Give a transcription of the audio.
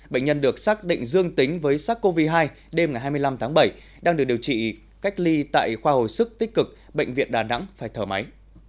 bệnh nhân được xác định dương tính với sars cov hai đêm ngày hai mươi năm tháng bảy đang được điều trị cách ly tại khoa hồi sức tích cực bệnh viện đà nẵng phải thở máy